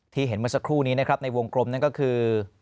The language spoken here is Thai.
เห็นเมื่อสักครู่นี้นะครับในวงกลมนั่นก็คือ